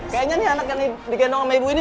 kayaknya nih anak yang digendong sama ibu ini